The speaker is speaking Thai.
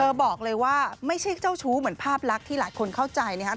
บอกเลยว่าไม่ใช่เจ้าชู้เหมือนภาพลักษณ์ที่หลายคนเข้าใจนะครับ